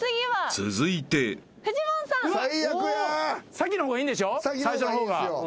先の方がいいんですよ。